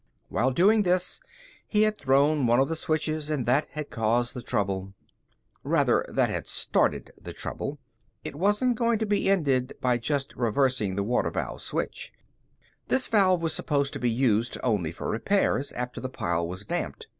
While doing this, he had thrown one of the switches and that had caused the trouble. Rather, that had started the trouble. It wasn't going to be ended by just reversing the water valve switch. This valve was supposed to be used only for repairs, after the pile was damped.